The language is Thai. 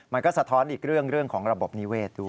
มันก็สะท้อนอีกเรื่องของระบบนิเวศด้วย